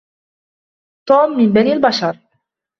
توم من بني البشر.